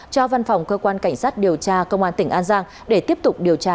cho văn phòng cơ quan cảnh sát điều tra công an tỉnh an giang để tiếp tục điều tra